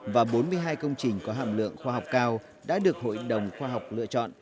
và bốn mươi hai công trình có hạm lượng khoa học cao đã được hội đồng khoa học lựa chọn